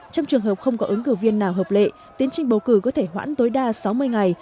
trong trường hợp không có ứng cử viên nào hợp lệ tiến trình bầu cử có thể hoãn tối đa sáu mươi ngày